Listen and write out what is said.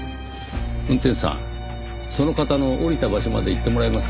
運転手さんその方の降りた場所まで行ってもらえますか？